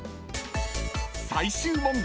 ［最終問題］